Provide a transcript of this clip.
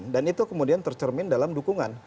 dan itu kemudian tercermin dalam dukungan